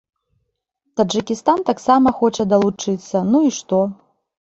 Таджыкістан таксама хоча далучыцца, ну і што?